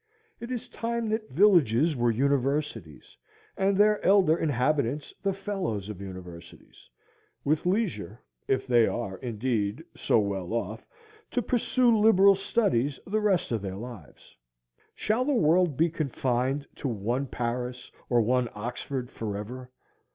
It is time that villages were universities, and their elder inhabitants the fellows of universities, with leisure—if they are indeed so well off—to pursue liberal studies the rest of their lives. Shall the world be confined to one Paris or one Oxford forever?